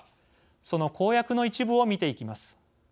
その公約の一部を見ていきます。